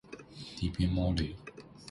底边猫雷！